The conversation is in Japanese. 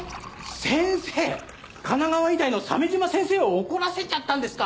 先生神奈川医大の鮫島先生を怒らせちゃったんですか？